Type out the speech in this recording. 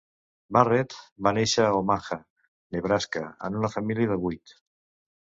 Barrett va néixer a Omaha, Nebraska, en una família de vuit.